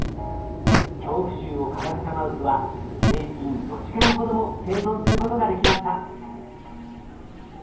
恐怖臭を嗅がせたマウスは平均４時間ほども生存することができました。